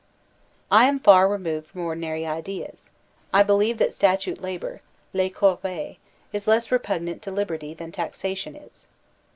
I am far removed from ordinary ideas; I believe that statute labor (Us corv/es) is less repugnant to liberty than taxation is.